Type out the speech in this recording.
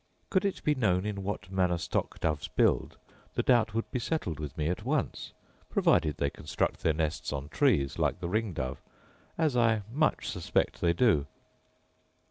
Could it be known in what manner stock doves build, the doubt would be settled with me at once, provided they construct their nests on trees, like the ring dove, as I much suspect they do.